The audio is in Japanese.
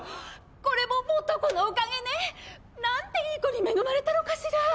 これも素子のおかげね！なんていい子に恵まれたのかしら！